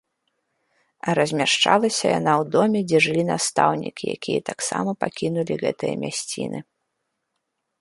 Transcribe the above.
А размяшчалася яна ў доме, дзе жылі настаўнікі, якія таксама пакінулі гэтыя мясціны.